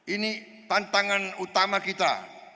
ini tantangan utama kita